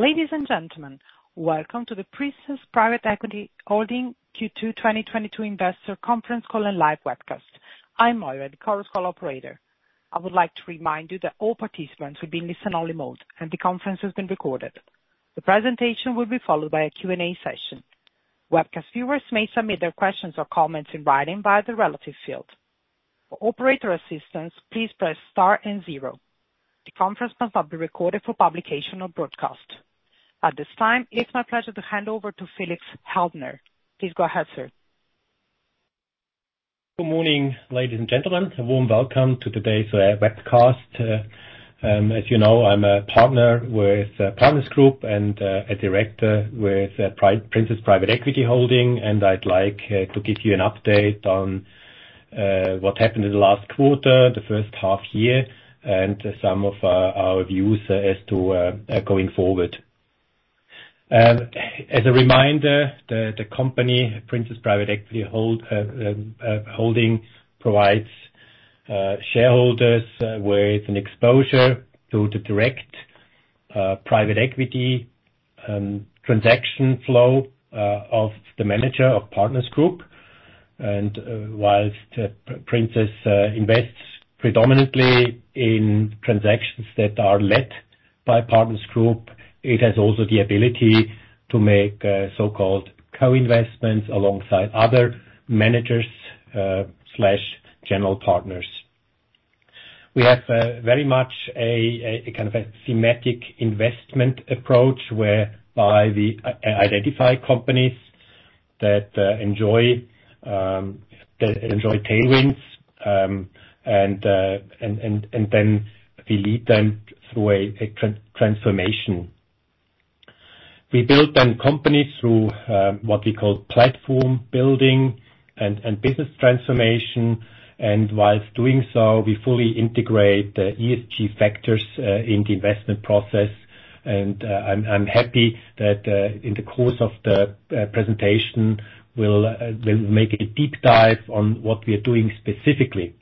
Ladies and gentlemen, welcome to the Partners Group Private Equity Q2 2022 investor conference call and live webcast. I'm Moira, the Chorus Call operator. I would like to remind you that all participants will be in listen-only mode, and the conference is being recorded. The presentation will be followed by a Q&A session. Webcast viewers may submit their questions or comments in writing via the relative field. For operator assistance, please press star and zero. The conference must not be recorded for publication or broadcast. At this time, it's my pleasure to hand over to Felix Haldner. Please go ahead, sir. Good morning, ladies and gentlemen. A warm welcome to today's webcast. As you know, I'm a partner with Partners Group and a director with Princess Private Equity Holding, and I'd like to give you an update on what happened in the last quarter, the H1 year, and some of our views as to going forward. As a reminder, the company, Princess Private Equity Holding provides shareholders with an exposure to the direct private equity transaction flow of the manager of Partners Group. While Princess invests predominantly in transactions that are led by Partners Group, it has also the ability to make so-called co-investments alongside other managers slash general partners. We have very much a kind of a thematic investment approach whereby we identify companies that enjoy tailwinds, and then we lead them through a transformation. We build them companies through what we call platform building and business transformation. While doing so, we fully integrate ESG factors in the investment process. I'm happy that in the course of the presentation, we'll make a deep dive on what we are doing specifically.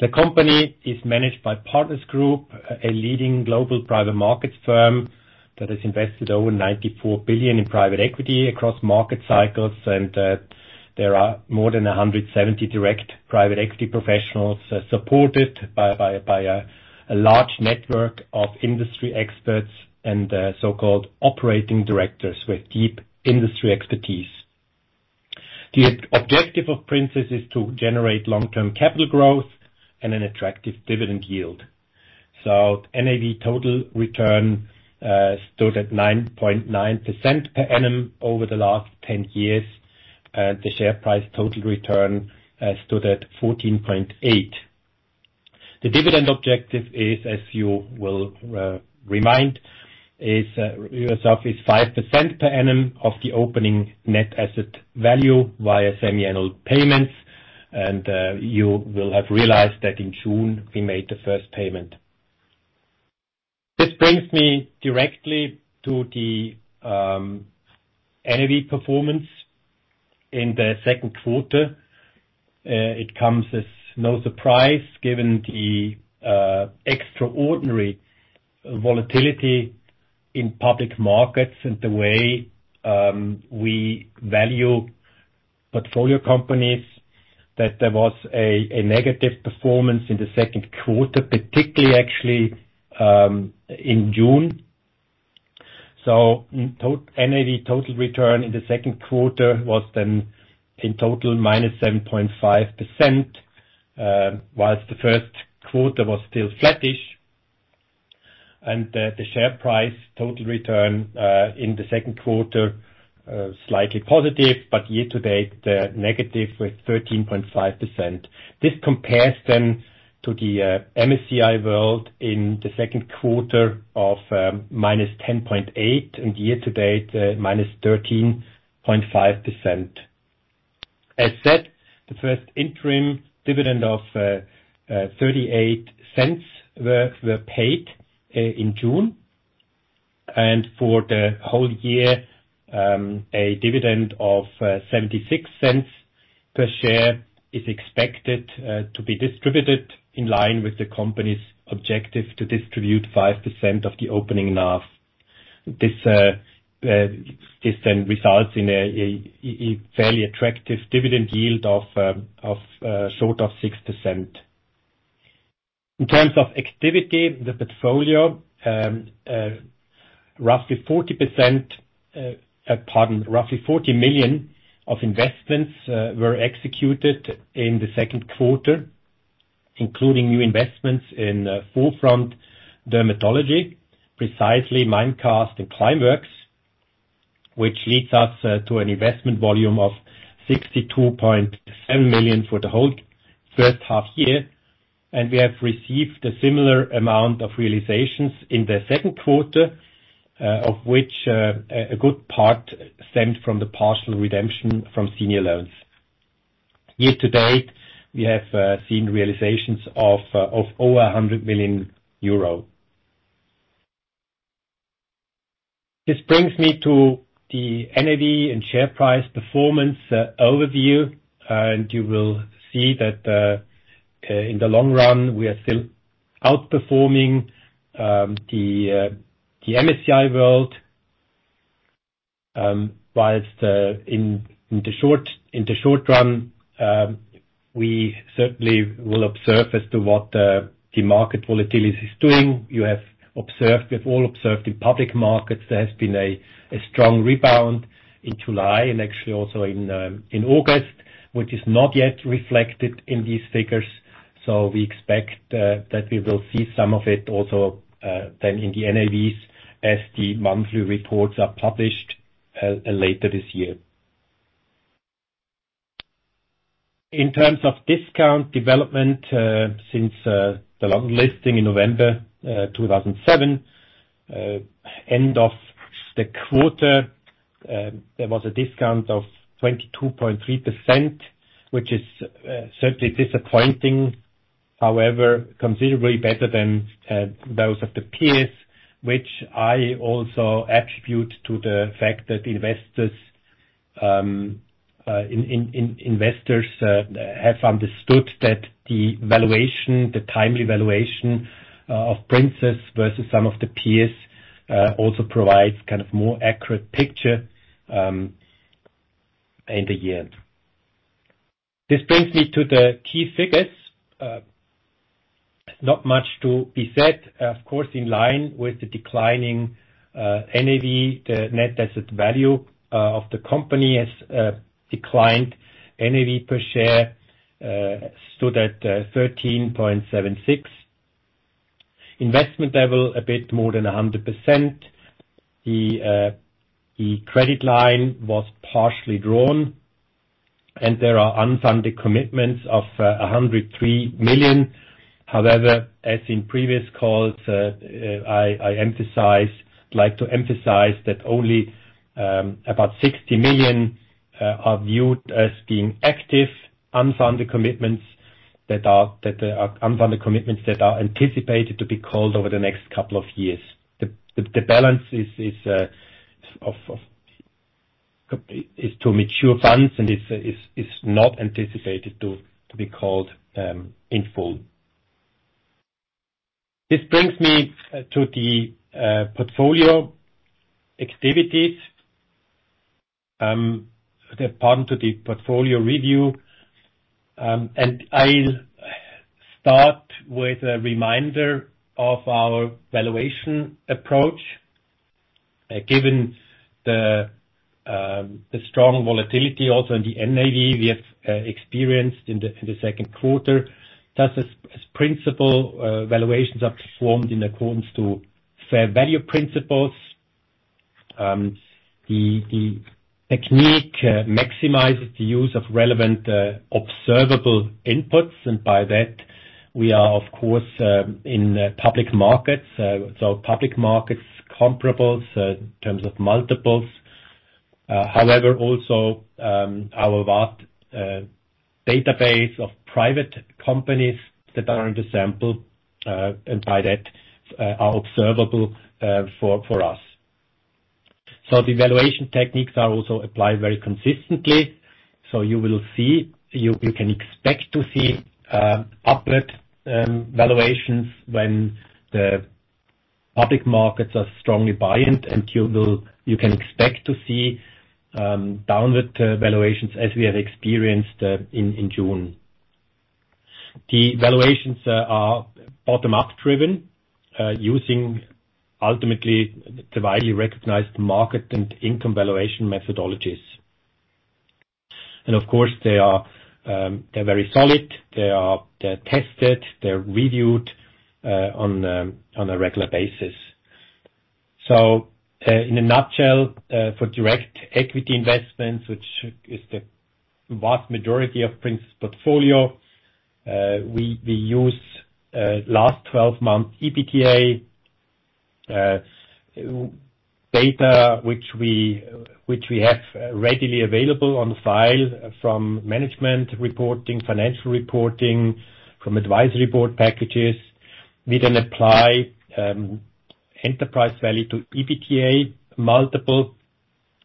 The company is managed by Partners Group, a leading global private markets firm that has invested over 94 billion in private equity across market cycles. There are more than 170 direct private equity professionals supported by a large network of industry experts and so-called operating directors with deep industry expertise. The objective of Partners Group Private Equity is to generate long-term capital growth and an attractive dividend yield. NAV total return stood at 9.9% per annum over the last 10 years. The share price total return stood at 14.8%. The dividend objective is, as you will remind yourself, 5% per annum of the opening net asset value via semi-annual payments. You will have realized that in June, we made the first payment. This brings me directly to the NAV performance in the Q2. It comes as no surprise given the extraordinary volatility in public markets and the way we value portfolio companies that there was a negative performance in the Q2, particularly actually in June. NAV total return in the Q2 was then in total -7.5%, whilst the Q1 was still flattish. The share price total return in the Q2 slightly positive, but year to date negative with 13.5%. This compares to the MSCI World in the Q2 of -10.8%, and year to date -13.5%. As said, the first interim dividend of 0.38 were paid in June. For the whole year, a dividend of 0.76 per share is expected to be distributed in line with the company's objective to distribute 5% of the opening NAV. This then results in a fairly attractive dividend yield of short of 6%. In terms of activity, the portfolio roughly 40 million of investments were executed in the Q2, including new investments in Forefront Dermatology, Precisely, Mimecast and Climeworks, which leads us to an investment volume of 62.7 million for the whole H1 year. We have received a similar amount of realizations in the Q2, of which a good part stemmed from the partial redemption from senior loans. Year to date, we have seen realizations of over 100 million euro. This brings me to the NAV and share price performance overview. You will see that in the long run, we are still outperforming the MSCI World while in the short run we certainly will observe as to what the market volatility is doing. We've all observed in public markets there has been a strong rebound in July and actually also in August, which is not yet reflected in these figures. We expect that we will see some of it also then in the NAVs as the monthly reports are published later this year. In terms of discount development, since the last listing in November 2007, end of the quarter, there was a discount of 22.3%, which is certainly disappointing, however, considerably better than those of the peers, which I also attribute to the fact that investors have understood that the valuation, the timely valuation, of Princess versus some of the peers, also provides kind of more accurate picture in the year. This brings me to the key figures. Not much to be said. Of course, in line with the declining NAV, the net asset value, of the company has declined. NAV per share stood at 13.76. Investment level a bit more than 100%. The credit line was partially drawn, and there are unfunded commitments of 103 million. However, as in previous calls, I'd like to emphasize that only about 60 million are viewed as being active unfunded commitments that are anticipated to be called over the next couple of years. The balance is of mature funds and is not anticipated to be called in full. This brings me to the portfolio activities. Pardon, to the portfolio review. I'll start with a reminder of our valuation approach, given the strong volatility also in the NAV we have experienced in the Q2. Thus, as a principle, valuations are performed in accordance to fair value principles. The technique maximizes the use of relevant observable inputs, and by that, we are of course in public markets, public markets comparables in terms of multiples. However, also our vast database of private companies that are in the sample, and by that are observable for us. The valuation techniques are also applied very consistently. You can expect to see upward valuations when the public markets are strongly buoyant, and you can expect to see downward valuations as we have experienced in June. The valuations are bottom-up driven using ultimately the widely recognized market and income valuation methodologies. Of course they are very solid. They're tested, they're reviewed on a regular basis. In a nutshell, for direct equity investments, which is the vast majority of Princess's portfolio, we use last 12 months EBITDA data which we have readily available on file from management reporting, financial reporting, from advisory board packages. We then apply enterprise value to EBITDA multiple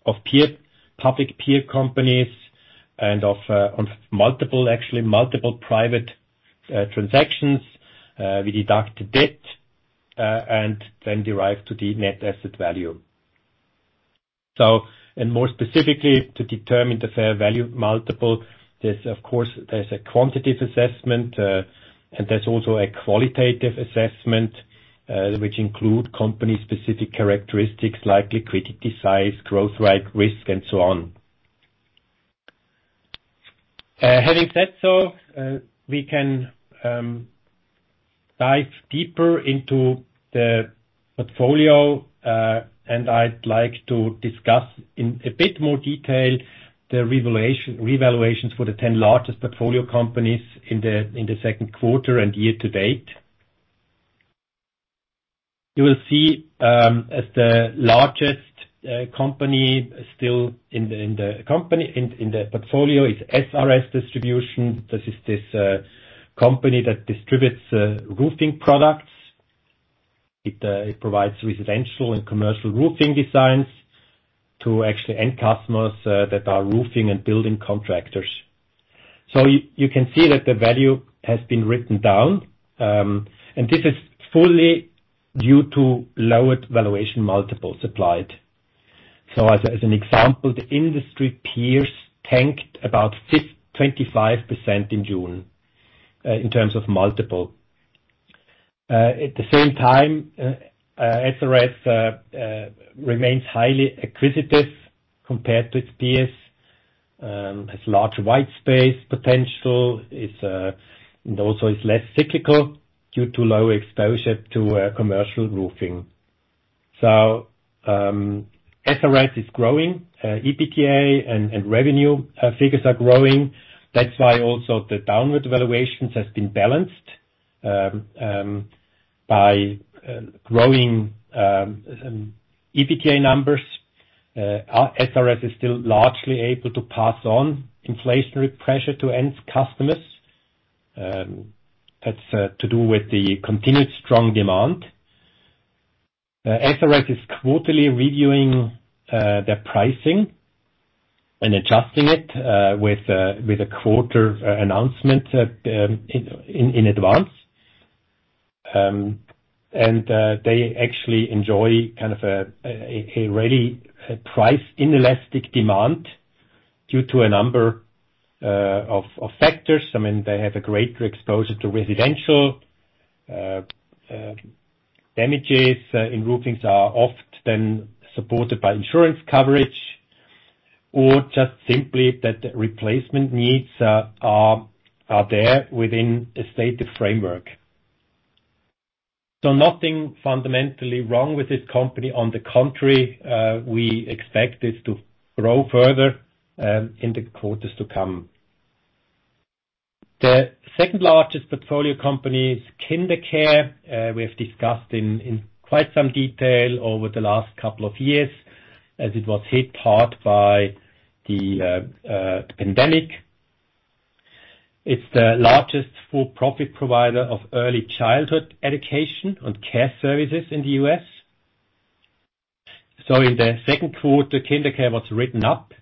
of public peer companies and of multiple private transactions. We deduct debt and then arrive at the net asset value. More specifically to determine the fair value multiple, there's of course a quantitative assessment, and there's also a qualitative assessment, which includes company-specific characteristics like liquidity, size, growth rate, risk and so on. Having said so, we can dive deeper into the portfolio, and I'd like to discuss in a bit more detail the revaluations for the 10 largest portfolio companies in the Q2 and year to date. You will see, as the largest company still in the portfolio is SRS Distribution. This is the company that distributes roofing products. It provides residential and commercial roofing supplies to actually end customers that are roofing and building contractors. You can see that the value has been written down, and this is fully due to lowered valuation multiples applied. As an example, the industry peers tanked about 25% in June in terms of multiple. At the same time, SRS remains highly acquisitive compared to its peers, has large white space potential, and also is less cyclical due to low exposure to commercial roofing. SRS is growing, EBITDA and revenue figures are growing. That's why also the downward valuations has been balanced by growing EBITDA numbers. SRS is still largely able to pass on inflationary pressure to end customers. That's to do with the continued strong demand. SRS is quarterly reviewing their pricing and adjusting it with a quarter announcement in advance. They actually enjoy kind of a really price inelastic demand due to a number of factors. I mean, they have a greater exposure to residential. Damages in roofing are often supported by insurance coverage or just simply that replacement needs are there within a stated framework. Nothing fundamentally wrong with this company. On the contrary, we expect this to grow further in the quarters to come. The second-largest portfolio company is KinderCare. We have discussed in quite some detail over the last couple of years as it was hit hard by the pandemic. It's the largest for-profit provider of early childhood education and care services in the U.S. In the Q2, KinderCare was written up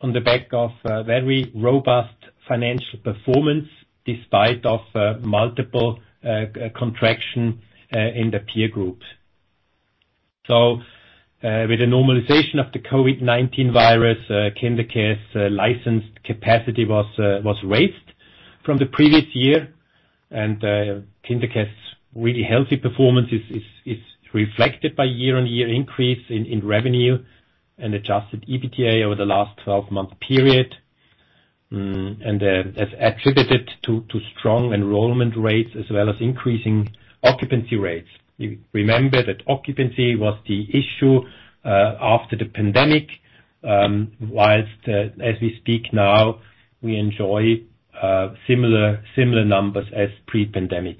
on the back of a very robust financial performance despite of multiple contraction in the peer group. With the normalization of the COVID-19 virus, KinderCare's licensed capacity was raised from the previous year. KinderCare's really healthy performance is reflected by year-on-year increase in revenue and adjusted EBITDA over the last 12-month period. As attributed to strong enrollment rates as well as increasing occupancy rates. You remember that occupancy was the issue after the pandemic, while, as we speak now, we enjoy similar numbers as pre-pandemic.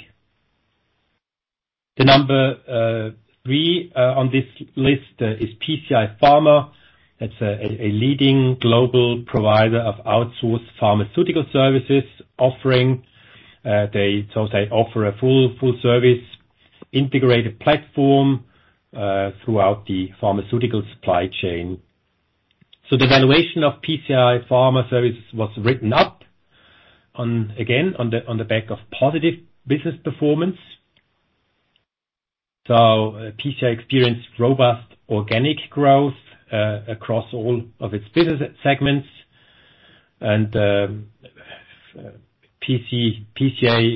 The number three on this list is PCI Pharma Services. That's a leading global provider of outsourced pharmaceutical services offering. So they offer a full service integrated platform throughout the pharmaceutical supply chain. So the valuation of PCI Pharma Services was written up on, again, on the back of positive business performance. So PCI experienced robust organic growth across all of its business segments. PCI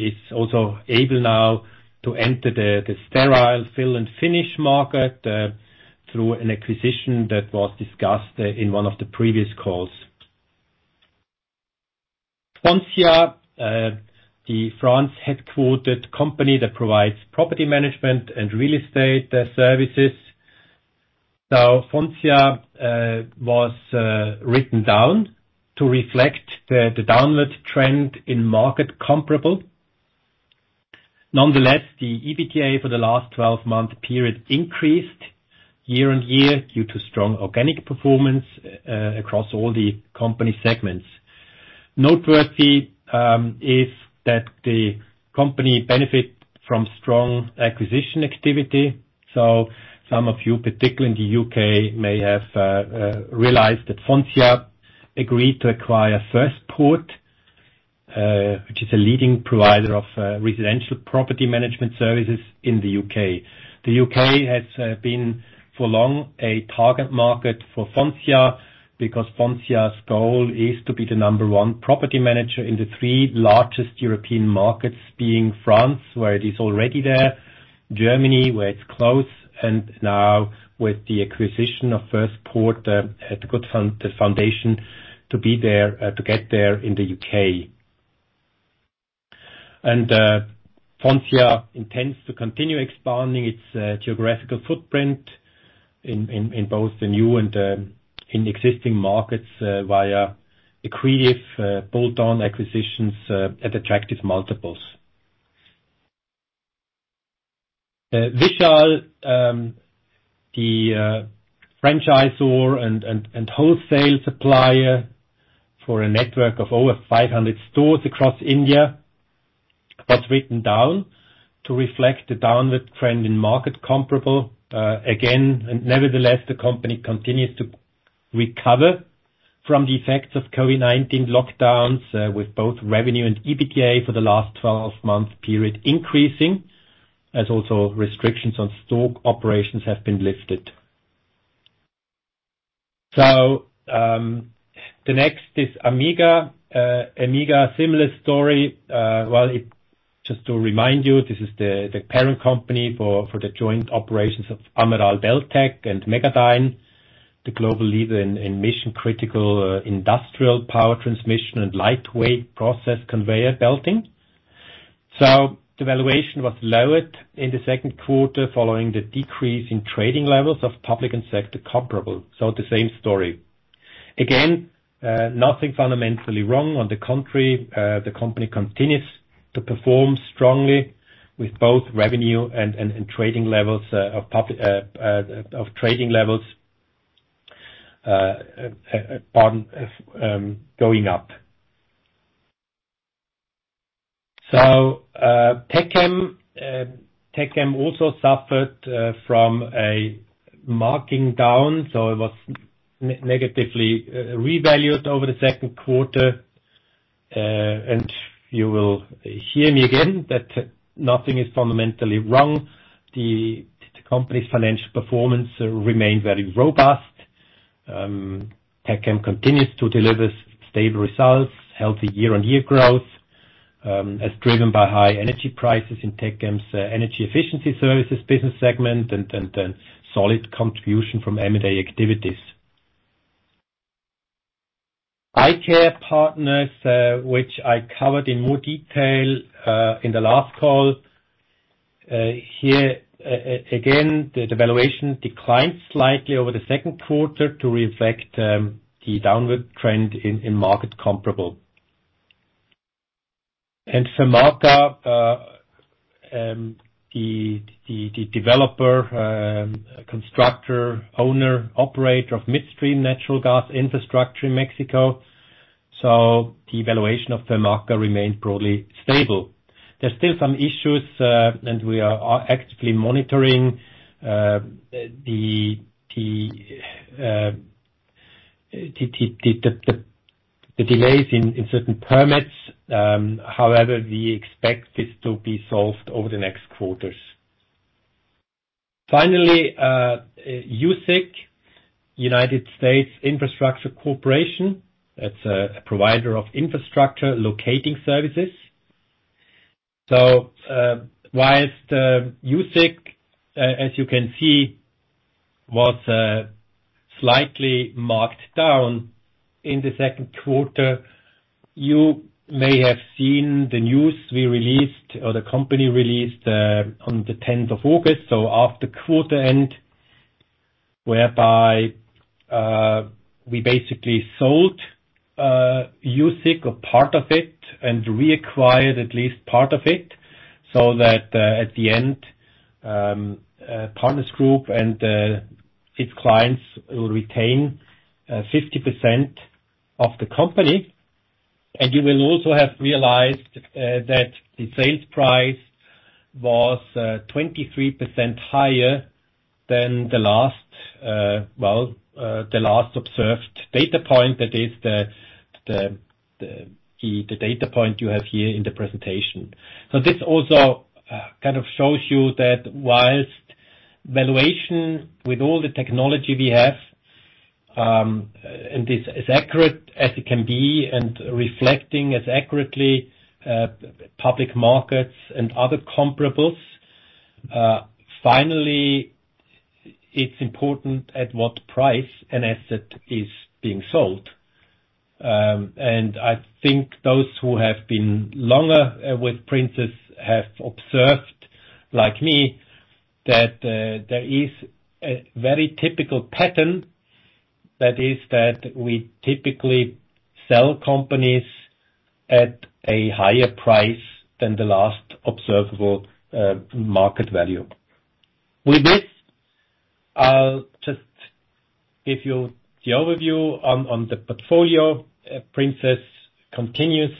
is also able now to enter the sterile fill and finish market through an acquisition that was discussed in one of the previous calls. Foncia, the French-headquartered company that provides property management and real estate services. Foncia was written down to reflect the downward trend in market comparable. Nonetheless, the EBITDA for the last 12-month period increased year-on-year due to strong organic performance across all the company segments. Noteworthy is that the company benefit from strong acquisition activity. Some of you, particularly in the U.K., may have realized that Foncia agreed to acquire FirstPort, which is a leading provider of residential property management services in the U.K. The UK has been for long a target market for Foncia because Foncia's goal is to be the number one property manager in the three largest European markets, being France, where it is already there, Germany, where it's close, and now with the acquisition of FirstPort, to good foundation to be there to get there in the U.K. Foncia intends to continue expanding its geographical footprint in both the new and existing markets via accretive bolt-on acquisitions at attractive multiples. Vishal Mega Mart. The franchisor and wholesale supplier for a network of over 500 stores across India was written down to reflect the downward trend in market comparables, again. Nevertheless, the company continues to recover from the effects of COVID-19 lockdowns with both revenue and EBITDA for the last 12-month period increasing as also restrictions on store operations have been lifted. The next is AMMEGA. AMMEGA, similar story. Well, it just to remind you, this is the parent company for the joint operations of Ammeraal Beltech and Megadyne, the global leader in mission-critical industrial power transmission and lightweight process conveyor belting. The valuation was lowered in the Q2 following the decrease in trading levels of public and sector comparables. The same story. Again, nothing fundamentally wrong. On the contrary, the company continues to perform strongly with both revenue and trading levels going up. Techem also suffered from a markdown, so it was negatively revalued over the Q2. You will hear me again that nothing is fundamentally wrong. The company's financial performance remain very robust. Techem continues to deliver stable results, healthy year-on-year growth, as driven by high energy prices in Techem's energy efficiency services business segment and solid contribution from M&A activities. EyeCare Partners, which I covered in more detail in the last call. Here, again, the valuation declined slightly over the Q2 to reflect the downward trend in market comparables. Fermaca, the developer, constructor, owner, operator of midstream natural gas infrastructure in Mexico. The valuation of Fermaca remained broadly stable. There's still some issues and we are actively monitoring the delays in certain permits. However, we expect this to be solved over the next quarters. Finally, USIC, United States Infrastructure Corporation. That's a provider of infrastructure locating services. While USIC, as you can see, was slightly marked down in the Q2. You may have seen the news we released, or the company released, on the tenth of August, so after quarter end, whereby we basically sold USIC or part of it and reacquired at least part of it so that at the end, Partners Group and its clients will retain 50% of the company. You will also have realized that the sales price was 23% higher than the last, well, the last observed data point that is the data point you have here in the presentation. This also kind of shows you that while valuation with all the technology we have and is as accurate as it can be and reflecting as accurately public markets and other comparables, finally, it's important at what price an asset is being sold. I think those who have been longer with Princess have observed, like me, that there is a very typical pattern that is that we typically sell companies at a higher price than the last observable market value. With this, I'll just give you the overview on the portfolio. Princess continues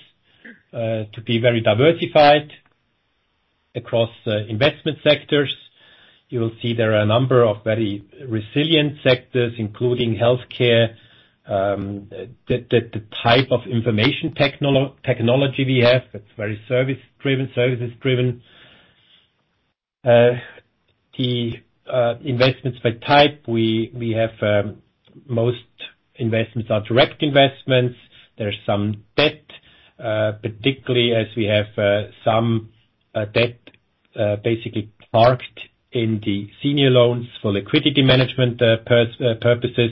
to be very diversified across the investment sectors. You will see there are a number of very resilient sectors, including healthcare, the type of information technology we have that's very service-driven. The investments by type, we have most investments are direct investments. There's some debt, particularly as we have some debt basically parked in the senior loans for liquidity management purposes.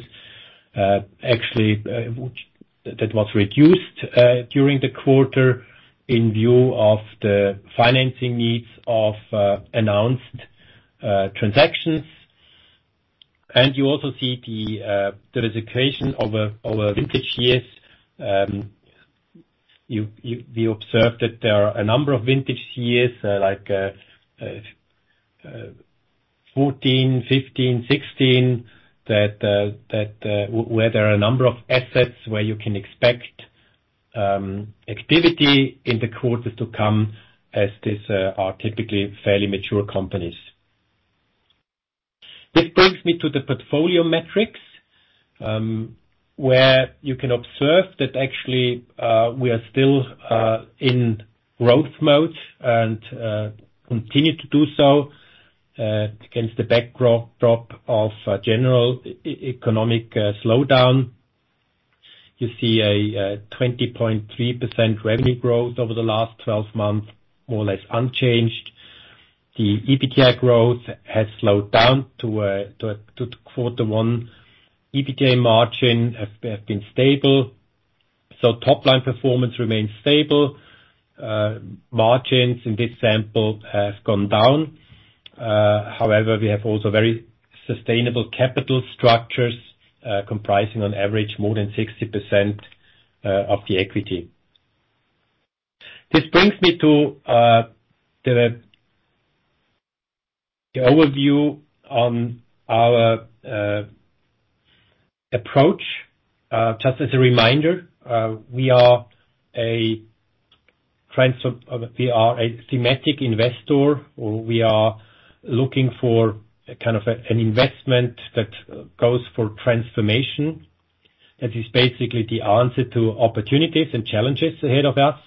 Actually, that was reduced during the quarter in view of the financing needs of announced transactions. You also see the diversification over our vintage years. You observe that there are a number of vintage years, like 14, 15, 16, that where there are a number of assets where you can expect activity in the quarters to come as these are typically fairly mature companies. This brings me to the portfolio metrics, where you can observe that actually we are still in growth mode and continue to do so against the backdrop of a general economic slowdown. You see a 20.3% revenue growth over the last 12 months, more or less unchanged. The EBITDA growth has slowed down to quarter one. EBITDA margin have been stable, so top line performance remains stable. Margins in this sample have gone down. However, we have also very sustainable capital structures, comprising on average more than 60% of the equity. This brings me to the overview on our approach. Just as a reminder, we are a thematic investor, or we are looking for a kind of an investment that goes for transformation. That is basically the answer to opportunities and challenges ahead of us.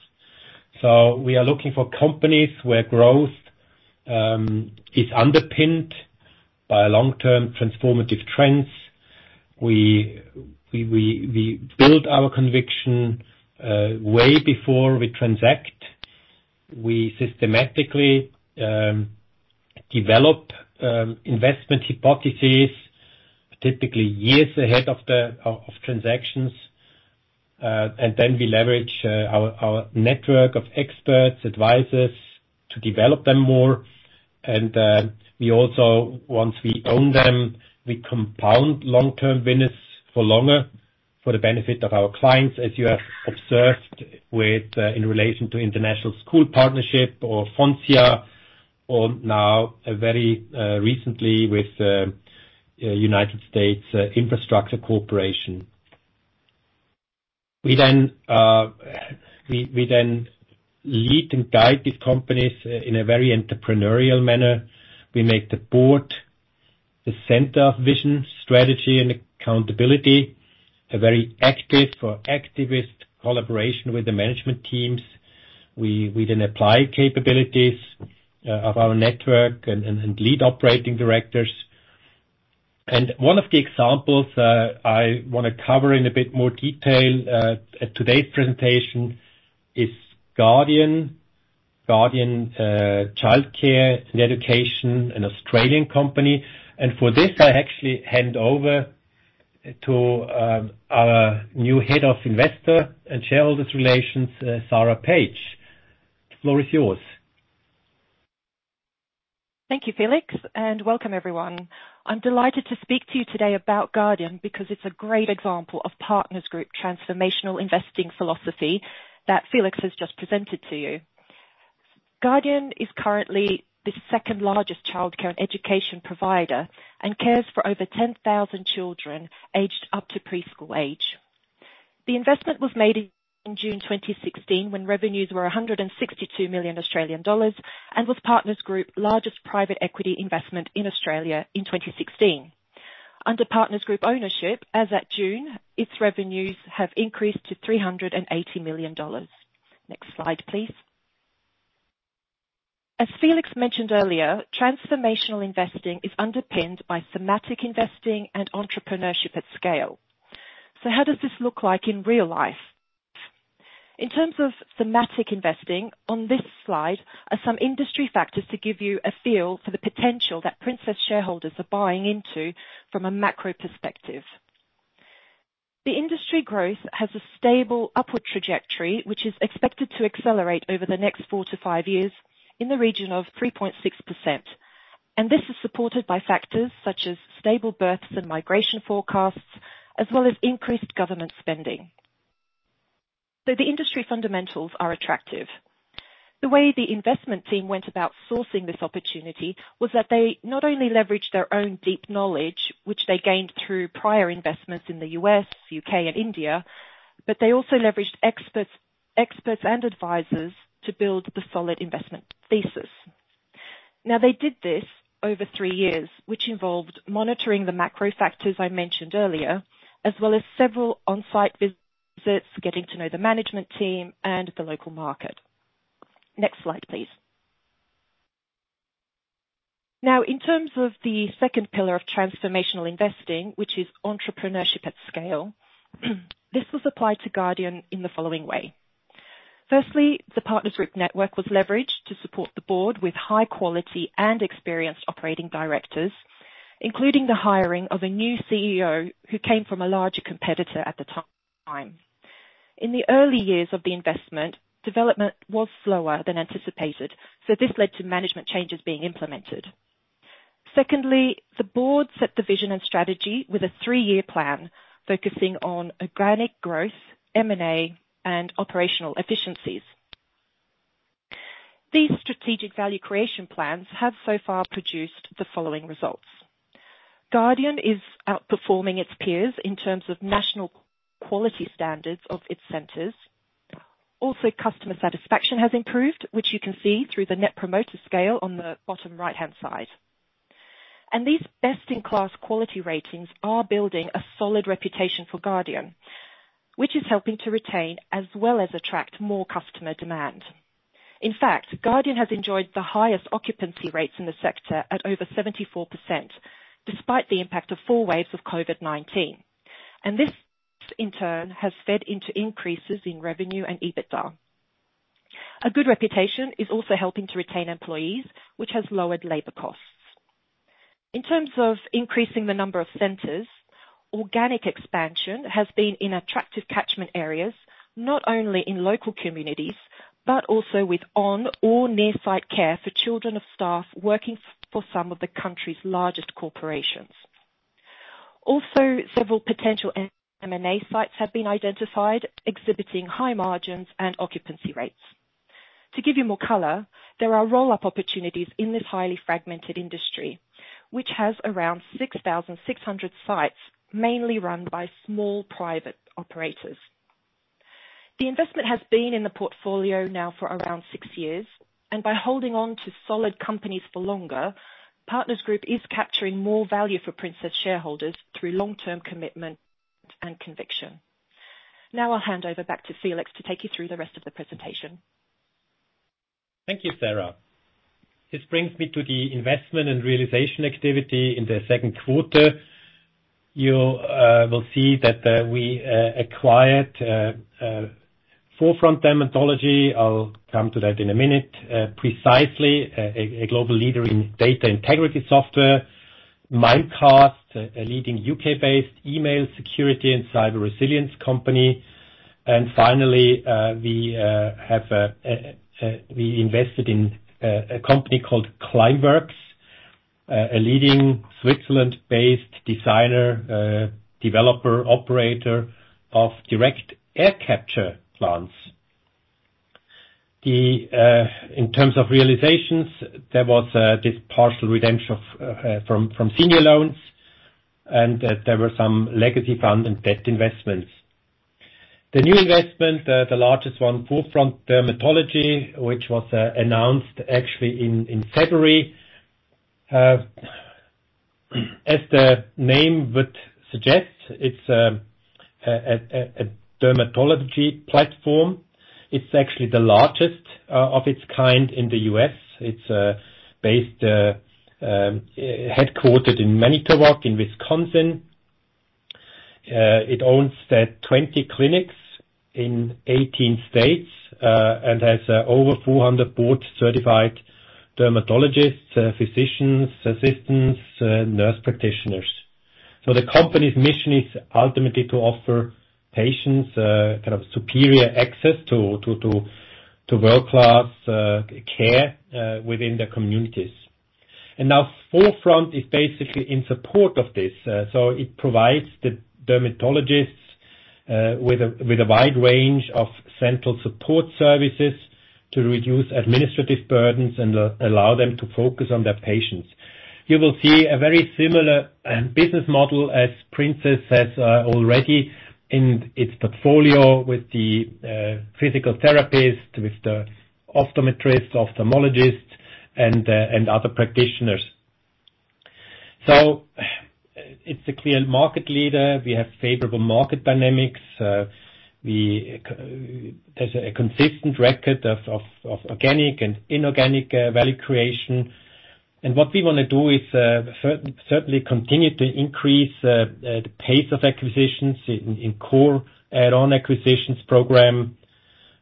We are looking for companies where growth is underpinned by long-term transformative trends. We build our conviction way before we transact. We systematically develop investment hypotheses typically years ahead of the transactions. We leverage our network of experts, advisors to develop them more. We also, once we own them, we compound long-term business for longer for the benefit of our clients, as you have observed with in relation to International Schools Partnership or Foncia or now very recently with United States Infrastructure Corporation. We then lead and guide these companies in a very entrepreneurial manner. We make the board the center of vision, strategy and accountability. A very activist collaboration with the management teams. We then apply capabilities of our network and lead operating directors. One of the examples I wanna cover in a bit more detail at today's presentation is Guardian Childcare & Education, an Australian company. For this I actually hand over to our new head of investor and shareholders relations, Sarah Brewer. The floor is yours. Thank you, Felix, and welcome everyone. I'm delighted to speak to you today about Guardian because it's a great example of Partners Group's transformational investing philosophy that Felix has just presented to you. Guardian is currently the second largest childcare and education provider, and cares for over 10,000 children aged up to preschool age. The investment was made in June 2016 when revenues were 162 million Australian dollars, and was Partners Group's largest private equity investment in Australia in 2016. Under Partners Group's ownership, as at June, its revenues have increased to 380 million dollars. Next slide, please. As Felix mentioned earlier, transformational investing is underpinned by thematic investing and entrepreneurship at scale. How does this look like in real life? In terms of thematic investing, on this slide are some industry factors to give you a feel for the potential that Princess shareholders are buying into from a macro perspective. The industry growth has a stable upward trajectory, which is expected to accelerate over the next four-five years in the region of 3.6%. This is supported by factors such as stable births and migration forecasts, as well as increased government spending. The industry fundamentals are attractive. The way the investment team went about sourcing this opportunity was that they not only leveraged their own deep knowledge, which they gained through prior investments in the U.S., U.K. and India, but they also leveraged experts and advisors to build the solid investment thesis. Now, they did this over three years, which involved monitoring the macro factors I mentioned earlier, as well as several on-site visits, getting to know the management team and the local market. Next slide, please. Now, in terms of the second pillar of transformational investing, which is entrepreneurship at scale, this was applied to Guardian in the following way. Firstly, the Partners Group network was leveraged to support the board with high quality and experienced operating directors, including the hiring of a new CEO who came from a larger competitor at the time. In the early years of the investment, development was slower than anticipated, so this led to management changes being implemented. Secondly, the board set the vision and strategy with a three-year plan focusing on organic growth, M&A, and operational efficiencies. These strategic value creation plans have so far produced the following results. Guardian is outperforming its peers in terms of national quality standards of its centers. Also, customer satisfaction has improved, which you can see through the Net Promoter Score on the bottom right-hand side. And these best-in-class quality ratings are building a solid reputation for Guardian, which is helping to retain as well as attract more customer demand. In fact, Guardian has enjoyed the highest occupancy rates in the sector at over 74%, despite the impact of four waves of COVID-19. And this, in turn, has fed into increases in revenue and EBITDA. A good reputation is also helping to retain employees, which has lowered labor costs. In terms of increasing the number of centers, organic expansion has been in attractive catchment areas, not only in local communities, but also with on or near-site care for children of staff working for some of the country's largest corporations. Several potential M&A sites have been identified, exhibiting high margins and occupancy rates. To give you more color, there are roll-up opportunities in this highly fragmented industry, which has around 6,600 sites, mainly run by small private operators. The investment has been in the portfolio now for around six years, and by holding on to solid companies for longer, Partners Group is capturing more value for Princess shareholders through long-term commitment and conviction. Now I'll hand over back to Felix to take you through the rest of the presentation. Thank you, Sarah. This brings me to the investment and realization activity in the Q2. You will see that we acquired Forefront Dermatology. I'll come to that in a minute. Precisely, a global leader in data integrity software. Mimecast, a leading U.K.-based email security and cyber resilience company. Finally, we invested in a company called Climeworks, a leading Switzerland-based designer, developer, operator of direct air capture plants. In terms of realizations, there was this partial redemption from senior loans, and there were some legacy fund and debt investments. The new investment, the largest one, Forefront Dermatology, which was announced actually in February. As the name would suggest, it's a dermatology platform. It's actually the largest of its kind in the U.S. It's headquartered in Manitowoc, Wisconsin. It owns 20 clinics in 18 states and has over 400 board-certified dermatologists, physicians assistants, nurse practitioners. The company's mission is ultimately to offer patients kind of superior access to world-class care within their communities. Forefront is basically in support of this. It provides the dermatologists with a wide range of central support services to reduce administrative burdens and allow them to focus on their patients. You will see a very similar business model as Partners Group has already in its portfolio with the physical therapist, with the optometrists, ophthalmologists, and other practitioners. It's a clear market leader. We have favorable market dynamics. There's a consistent record of organic and inorganic value creation. What we wanna do is certainly continue to increase the pace of acquisitions in core add-on acquisitions program,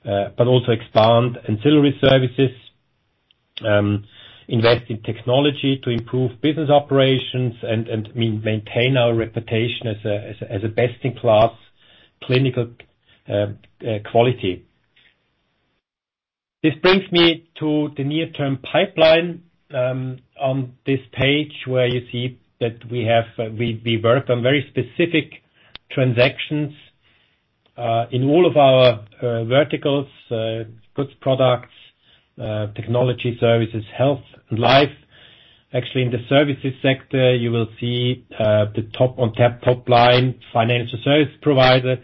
but also expand ancillary services, invest in technology to improve business operations and maintain our reputation as a best-in-class clinical quality. This brings me to the near-term pipeline on this page, where you see that we work on very specific transactions in all of our verticals, goods, products, technology services, health, and life. Actually, in the services sector, you will see the top line financial service provider.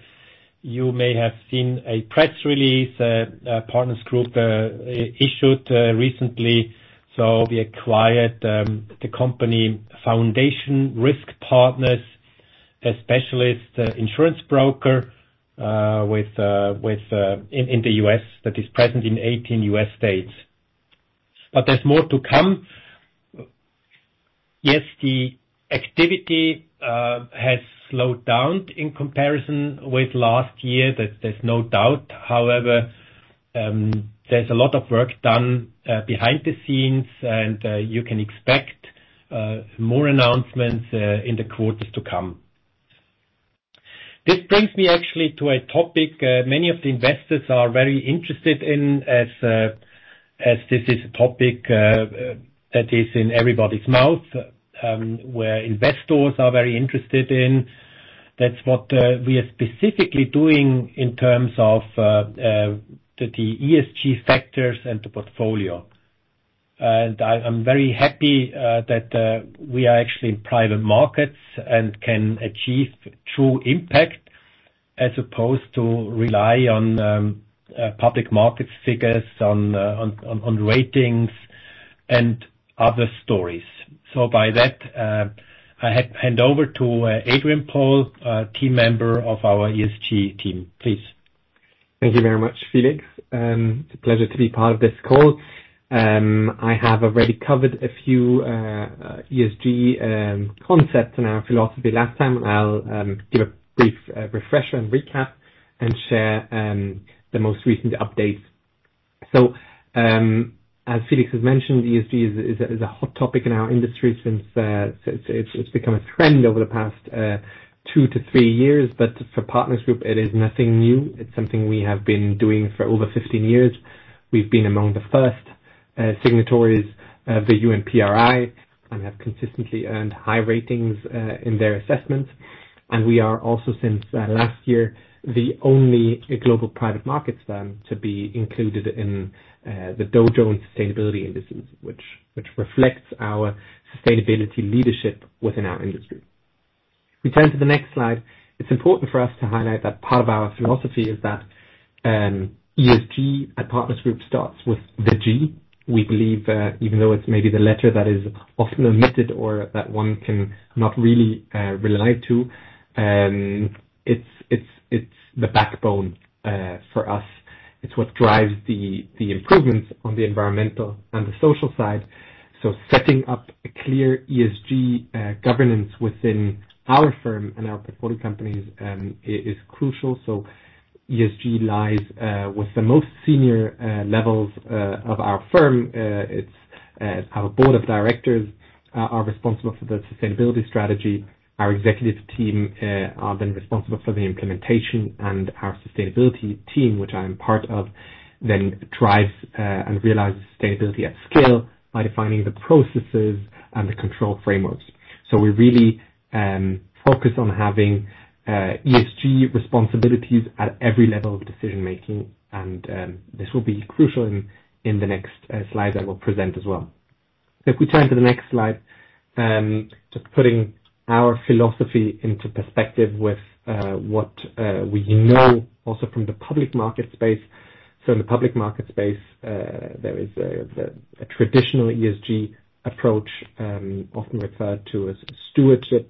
You may have seen a press release Partners Group issued recently. We acquired the company Foundation Risk Partners, a specialist insurance broker, within the U.S. that is present in 18 U.S. states. There's more to come. The activity has slowed down in comparison with last year. There's no doubt. However, there's a lot of work done behind the scenes, and you can expect more announcements in the quarters to come. This brings me actually to a topic many of the investors are very interested in as this is a topic that is in everybody's mouth, where investors are very interested in. That's what we are specifically doing in terms of the ESG sectors and the portfolio. I'm very happy that we are actually in private markets and can achieve true impact as opposed to rely on public market figures on ratings and other stories. By that, I hand over to Adrian Blättler, team member of our ESG team. Please. Thank you very much, Felix. It's a pleasure to be part of this call. I have already covered a few ESG concepts in our philosophy last time. I'll give a brief refresher and recap and share the most recent updates. As Felix has mentioned, ESG is a hot topic in our industry since it's become a trend over the past two-three years. For Partners Group, it is nothing new. It's something we have been doing for over 15 years. We've been among the first signatories of the UNPRI and have consistently earned high ratings in their assessments. We are also, since last year, the only global private markets to be included in the Dow Jones Sustainability Indices, which reflects our sustainability leadership within our industry. We turn to the next slide. It's important for us to highlight that part of our philosophy is that ESG at Partners Group starts with the G. We believe, even though it's maybe the letter that is often omitted or that one can not really rely to, it's the backbone for us. It's what drives the improvements on the environmental and the social side. Setting up a clear ESG governance within our firm and our portfolio companies is crucial. ESG lies with the most senior levels of our firm. It's our board of directors are responsible for the sustainability strategy. Our executive team are then responsible for the implementation and our sustainability team, which I am part of, then drives and realizes sustainability at scale by defining the processes and the control frameworks. We really focus on having ESG responsibilities at every level of decision-making, and this will be crucial in the next slide I will present as well. If we turn to the next slide, just putting our philosophy into perspective with what we know also from the public market space. In the public market space, there is a traditional ESG approach, often referred to as stewardship,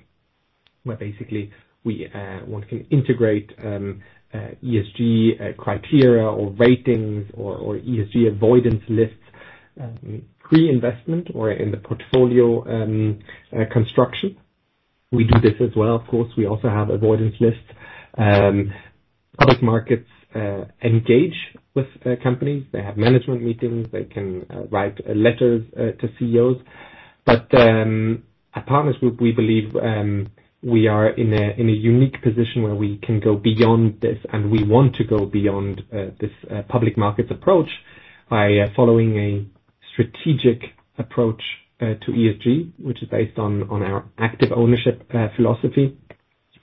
where basically one can integrate ESG criteria or ratings or ESG avoidance lists pre-investment or in the portfolio construction. We do this as well, of course. We also have avoidance lists. Public markets engage with companies. They have management meetings. They can write letters to CEOs. At Partners Group, we believe we are in a unique position where we can go beyond this, and we want to go beyond this public markets approach by following a strategic approach to ESG, which is based on our active ownership philosophy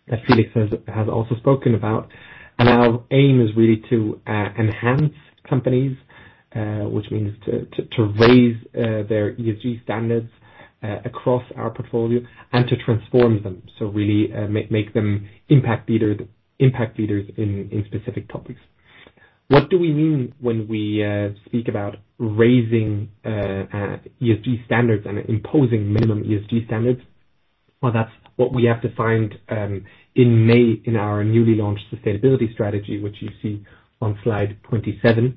that Felix has also spoken about. Our aim is really to enhance companies, which means to raise their ESG standards across our portfolio and to transform them. Really, make them impact leaders in specific topics. What do we mean when we speak about raising ESG standards and imposing minimum ESG standards? Well, that's what we have defined in May in our newly launched sustainability strategy, which you see on slide 27.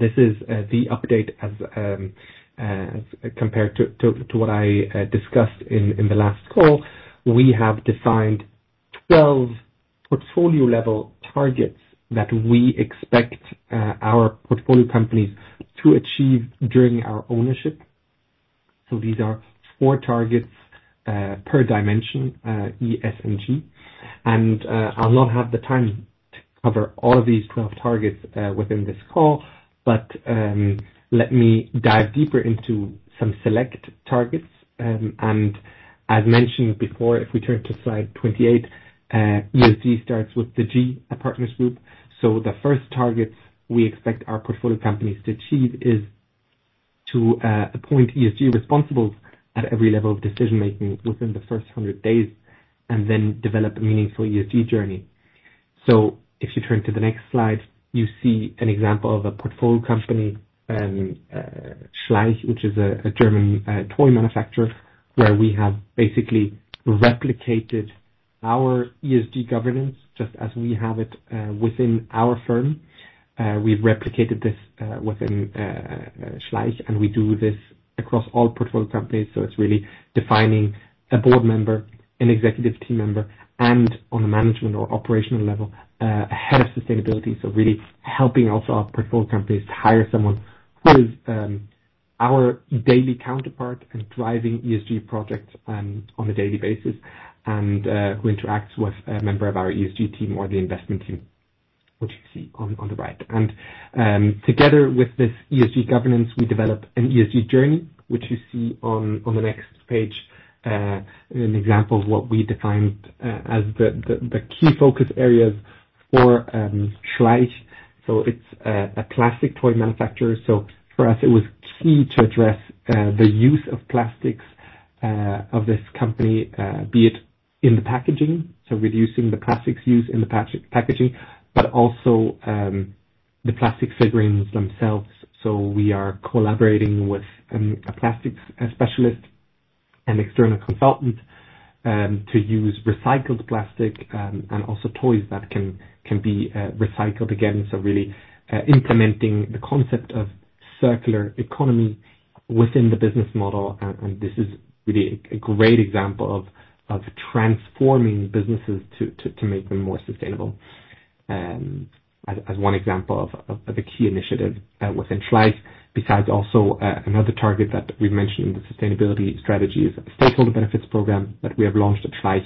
This is the update as compared to what I discussed in the last call. We have defined 12 portfolio-level targets that we expect our portfolio companies to achieve during our ownership. These are four targets per dimension E, S, and G. I'll not have the time to cover all of these 12 targets within this call, but let me dive deeper into some select targets. As mentioned before, if we turn to slide 28, ESG starts with the G at Partners Group. The first targets we expect our portfolio companies to achieve is to appoint ESG responsibles at every level of decision-making within the first 100 days, and then develop a meaningful ESG journey. If you turn to the next slide, you see an example of a portfolio company, Schleich, which is a German toy manufacturer, where we have basically replicated our ESG governance just as we have it within our firm. We've replicated this within Schleich, and we do this across all portfolio companies. It's really defining a board member, an executive team member, and on a management or operational level a head of sustainability. Really helping also our portfolio companies to hire someone who is our daily counterpart and driving ESG projects on a daily basis, and who interacts with a member of our ESG team or the investment team, which you see on the right. Together with this ESG governance, we develop an ESG journey, which you see on the next page, an example of what we defined as the key focus areas for Schleich. It's a classic toy manufacturer. For us, it was key to address the use of plastics of this company, be it in the packaging, so reducing the plastics used in the packaging, but also the plastic figurines themselves. We are collaborating with a plastics specialist and external consultant to use recycled plastic and also toys that can be recycled again. Really implementing the concept of circular economy within the business model. This is really a great example of transforming businesses to make them more sustainable, as one example of the key initiative within Schleich. Besides also another target that we've mentioned in the sustainability strategy is a stakeholder benefits program that we have launched at Schleich.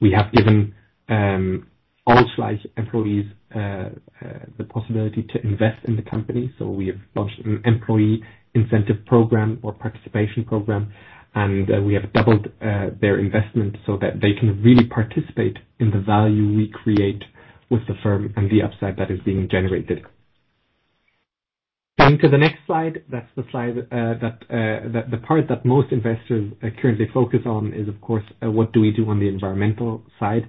We have given all Schleich employees the possibility to invest in the company. We have launched an employee incentive program or participation program, and we have doubled their investment so that they can really participate in the value we create with the firm and the upside that is being generated. To the next slide. That's the slide that the part that most investors currently focus on is, of course, what do we do on the environmental side.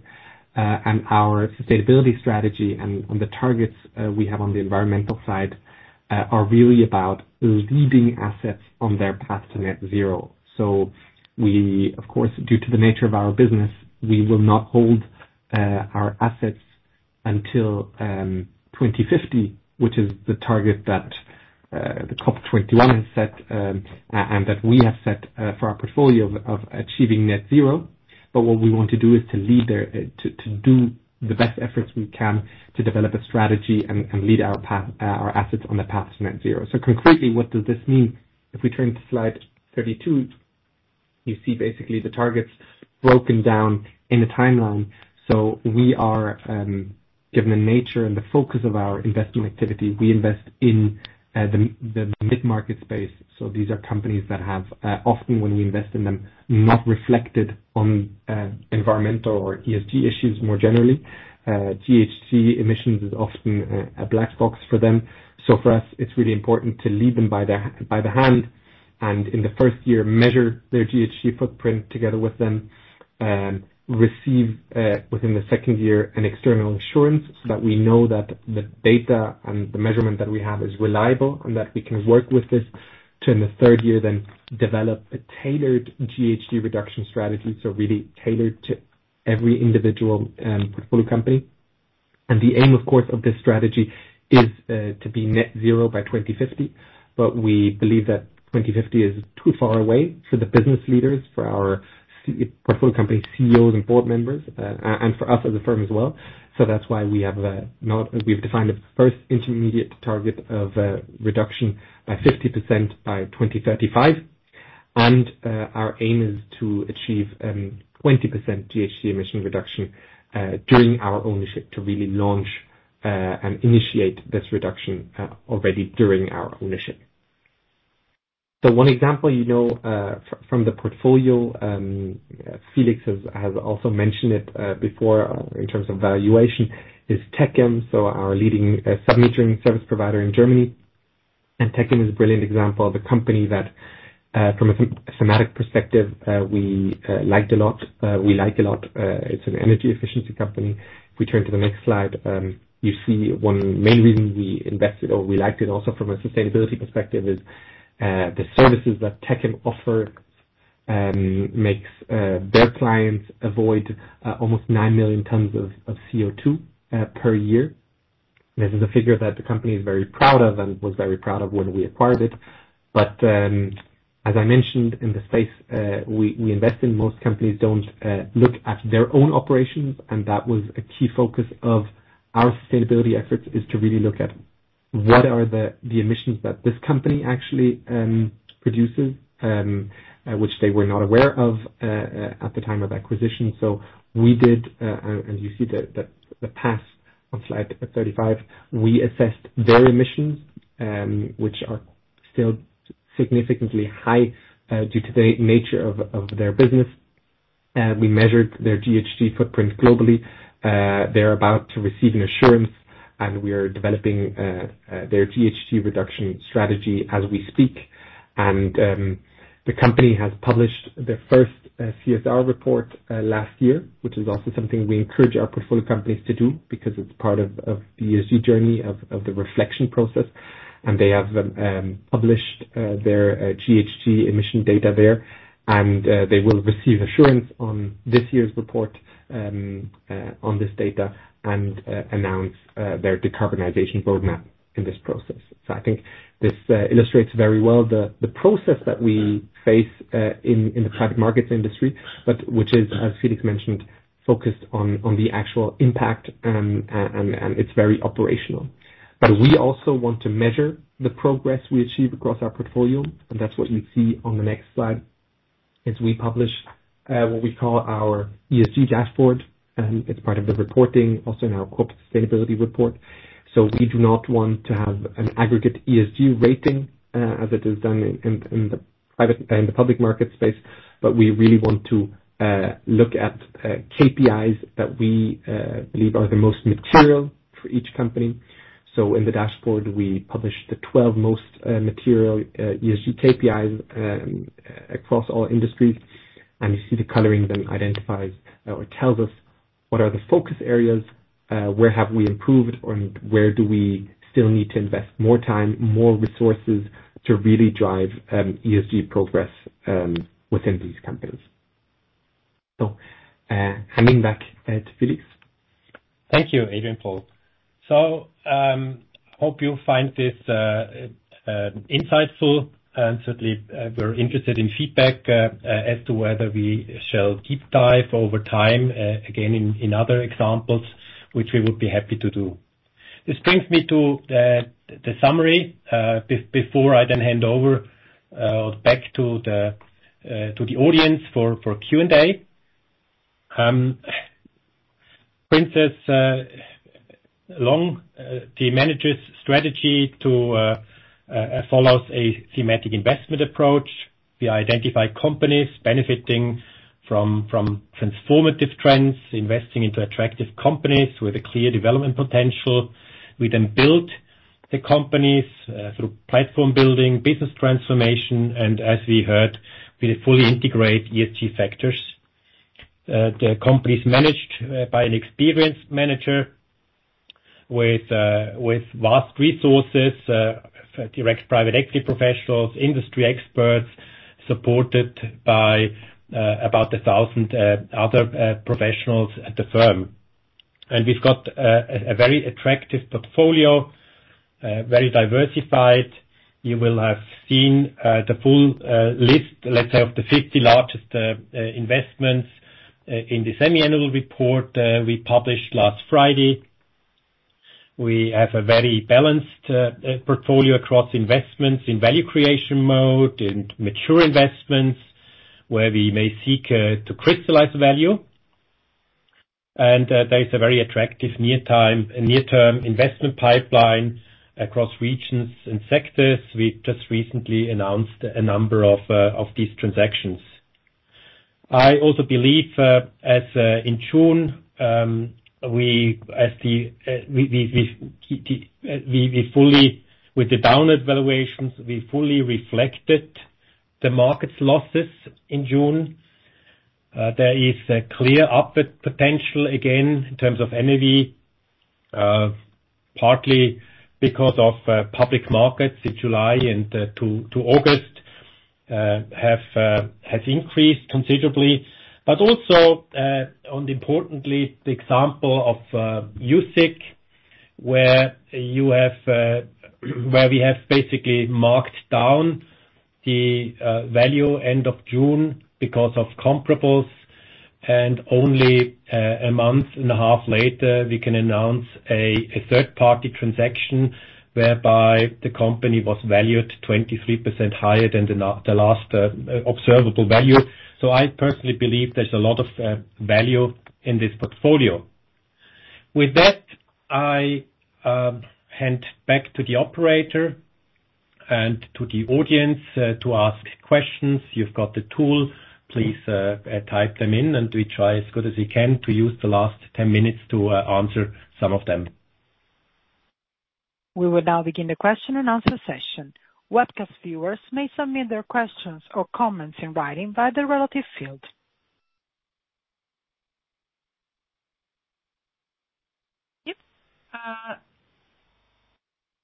And our sustainability strategy and the targets we have on the environmental side are really about leading assets on their path to net zero. We, of course, due to the nature of our business, will not hold our assets until 2050, which is the target that the COP21 set, and that we have set for our portfolio of achieving net zero. What we want to do is to lead there, to do the best efforts we can to develop a strategy and lead our path, our assets on the path to net zero. Concretely, what does this mean? If we turn to slide 32, you see basically the targets broken down in the timeline. We are given the nature and the focus of our investment activity, we invest in the mid-market space. These are companies that have often when we invest in them, not reflected on environmental or ESG issues more generally. GHG emissions is often a black box for them. For us, it's really important to lead them by the hand, and in the first year, measure their GHG footprint together with them, receive within the second year an external assurance, so that we know that the data and the measurement that we have is reliable and that we can work with this to in the third year then develop a tailored GHG reduction strategy. Really tailored to every individual, portfolio company. The aim, of course, of this strategy is to be net zero by 2050. We believe that 2050 is too far away for the business leaders, for our portfolio company CEOs and board members, and for us as a firm as well. That's why we have not. We've defined a first intermediate target of reduction by 50% by 2035. Our aim is to achieve 20% GHG emission reduction during our ownership to really launch and initiate this reduction already during our ownership. One example, you know, from the portfolio, Felix has also mentioned it before in terms of valuation, is Techem. Our leading sub-metering service provider in Germany. Techem is a brilliant example of a company that from a thematic perspective we liked a lot, we like a lot. It's an energy efficiency company. If we turn to the next slide, you see one main reason we invested or we liked it also from a sustainability perspective is the services that Techem offer makes their clients avoid almost 9 million tons of CO2 per year. This is a figure that the company is very proud of and was very proud of when we acquired it. As I mentioned in this space we invest in, most companies don't look at their own operations, and that was a key focus of our sustainability efforts is to really look at what are the emissions that this company actually produces which they were not aware of at the time of acquisition. We did and you see the path on slide 35. We assessed their emissions, which are still significantly high, due to the nature of their business. We measured their GHG footprint globally. They're about to receive an assurance, and we are developing their GHG reduction strategy as we speak. The company has published their first CSR report last year, which is also something we encourage our portfolio companies to do because it's part of the ESG journey, of the reflection process. They have published their GHG emission data there, and they will receive assurance on this year's report, on this data and announce their decarbonization roadmap in this process. I think this illustrates very well the process that we face in the private markets industry, but which is, as Felix mentioned, focused on the actual impact, and it's very operational. We also want to measure the progress we achieve across our portfolio, and that's what you see on the next slide. As we publish what we call our ESG dashboard, and it's part of the reporting, also in our corporate sustainability report. We do not want to have an aggregate ESG rating, as it is done in the public market space. We really want to look at KPIs that we believe are the most material for each company. In the dashboard, we publish the 12 most material ESG KPIs across all industries. You see the coloring then identifies or tells us what are the focus areas, where have we improved, or where do we still need to invest more time, more resources to really drive ESG progress within these companies. Handing back to Felix. Thank you, Adrian Blättler. Hope you'll find this insightful, and certainly, we're interested in feedback as to whether we shall deep dive over time again in other examples, which we would be happy to do. This brings me to the summary before I hand over back to the audience for Q&A. Princess along the manager's strategy follows a thematic investment approach. We identify companies benefiting from transformative trends, investing into attractive companies with a clear development potential. We then build the companies through platform building, business transformation, and as we heard, we fully integrate ESG factors. The company is managed by an experienced manager with vast resources, direct private equity professionals, industry experts, supported by about 1,000 other professionals at the firm. We've got a very attractive portfolio, very diversified. You will have seen the full list, let's say, of the 50 largest investments in the semi-annual report we published last Friday. We have a very balanced portfolio across investments in value creation mode and mature investments where we may seek to crystallize the value. There is a very attractive near-term investment pipeline across regions and sectors. We just recently announced a number of these transactions. I also believe as in June we fully reflected the market's losses in June with the downward valuations. There is a clear upward potential, again, in terms of NAV, partly because of public markets in July and August have increased considerably, but also importantly, the example of USIC, where we have basically marked down the value end of June because of comparables, and only a month and a half later, we can announce a third-party transaction whereby the company was valued 23% higher than the last observable value. I personally believe there's a lot of value in this portfolio. With that, I hand back to the operator and to the audience to ask questions. You've got the tool. Please, type them in, and we try as good as we can to use the last 10 minutes to answer some of them. We will now begin the question and answer session. Webcast viewers may submit their questions or comments in writing via the relevant field. Yep.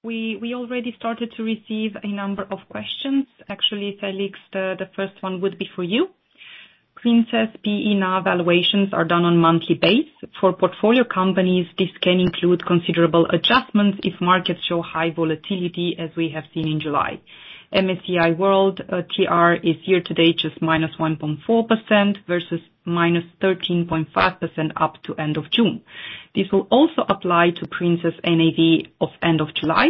We already started to receive a number of questions. Actually, Felix, the first one would be for you. Princess PE now valuations are done on monthly basis. For portfolio companies, this can include considerable adjustments if markets show high volatility, as we have seen in July. MSCI World TR is year to date just -1.4% versus -13.5% up to end of June. This will also apply to Princess NAV of end of July,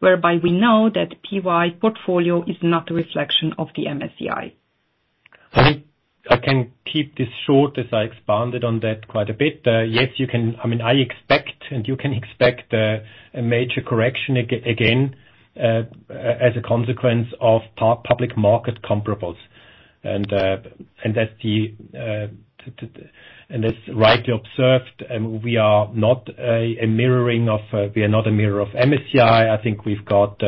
whereby we know that PE portfolio is not a reflection of the MSCI. I can keep this short as I expanded on that quite a bit. Yes, I mean, I expect, and you can expect, a major correction again, as a consequence of public market comparables. That's rightly observed, and we are not a mirroring of, we are not a mirror of MSCI. I think we've got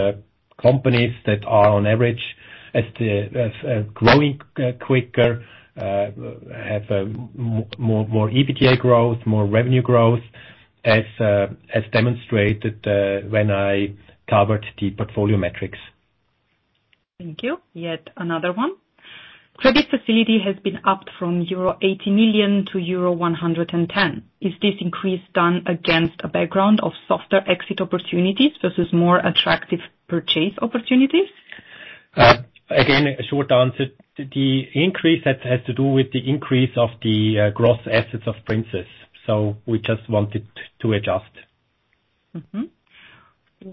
companies that are on average as growing quicker, have more EBITDA growth, more revenue growth, as demonstrated, when I covered the portfolio metrics. Thank you. Yet another one. Credit facility has been upped from euro 80 million to euro 110 million. Is this increase done against a background of softer exit opportunities versus more attractive purchase opportunities? Again, a short answer. The increase has to do with the increase of the gross assets of Princess. We just wanted to adjust.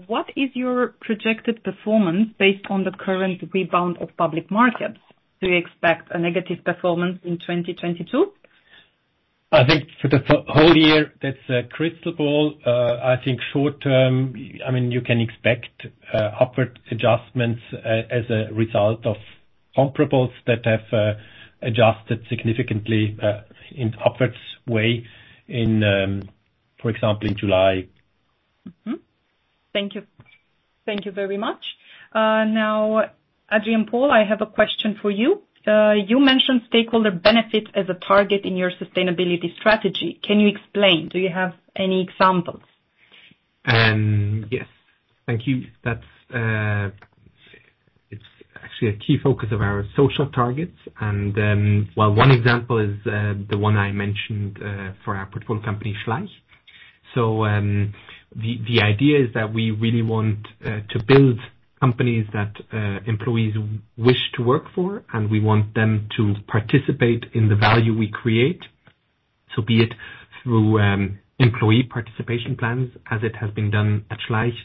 What is your projected performance based on the current rebound of public markets? Do you expect a negative performance in 2022? I think for the whole year, that's a crystal ball. I think short-term, I mean, you can expect upward adjustments as a result of comparables that have adjusted significantly in upward way, for example, in July. Mm-hmm. Thank you. Thank you very much. Now, Adrian Blättler, I have a question for you. You mentioned stakeholder benefit as a target in your sustainability strategy. Can you explain? Do you have any examples? Yes. Thank you. That's, it's actually a key focus of our social targets. One example is the one I mentioned for our portfolio company, Schleich. The idea is that we really want to build companies that employees wish to work for, and we want them to participate in the value we create. Be it through employee participation plans as it has been done at Schleich,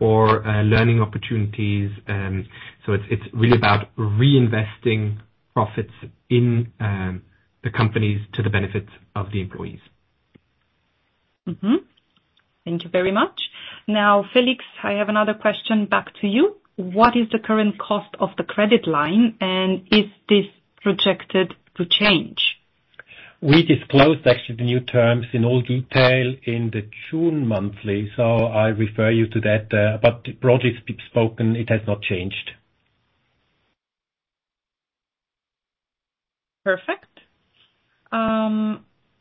or learning opportunities. It's really about reinvesting profits in the companies to the benefit of the employees. Mm-hmm. Thank you very much. Now, Felix, I have another question back to you. What is the current cost of the credit line, and is this projected to change? We disclosed actually the new terms in all detail in the June monthly, so I refer you to that, but the project has been postponed. It has not changed. Perfect.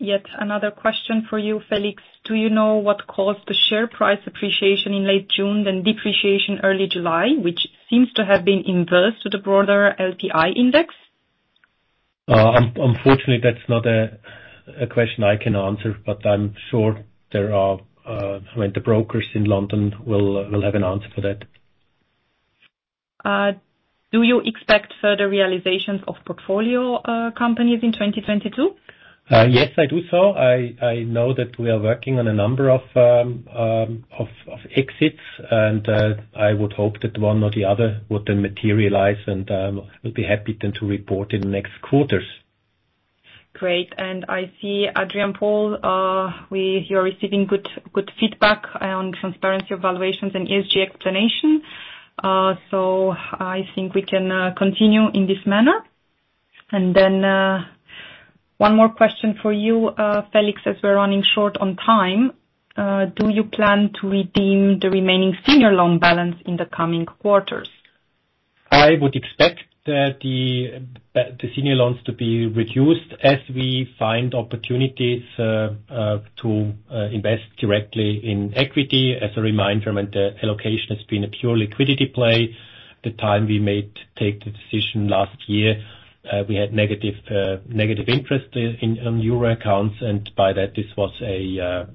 Yet another question for you, Felix. Do you know what caused the share price appreciation in late June, then depreciation early July, which seems to have been inverse to the broader LPX index? Unfortunately, that's not a question I can answer, but I'm sure there are, I mean, the brokers in London will have an answer for that. Do you expect further realizations of portfolio companies in 2022? Yes, I do so. I know that we are working on a number of exits, and I would hope that one or the other would then materialize, and we'll be happy then to report in the next quarters. Great. I see, Adrian Blättler, you're receiving good feedback on transparency evaluations and ESG explanation. So I think we can continue in this manner. Then, one more question for you, Felix, as we're running short on time. Do you plan to redeem the remaining senior loan balance in the coming quarters? I would expect the senior loans to be reduced as we find opportunities to invest directly in equity. As a reminder, I mean the allocation has been a pure liquidity play. The time we take the decision last year, we had negative interest on Euro accounts, and by that, this was a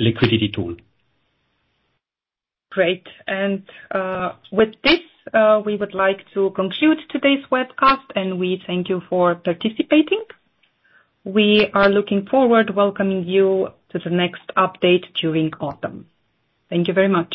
liquidity tool. Great. With this, we would like to conclude today's webcast, and we thank you for participating. We are looking forward welcoming you to the next update during autumn. Thank you very much.